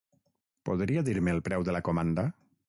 Podria dir-me el preu de la comanda?